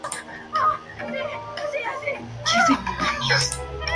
Ambas personas fueron trasladadas a Madrid por orden de la Audiencia Nacional.